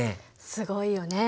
すごいよね。